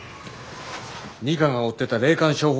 二課が追ってた霊感商法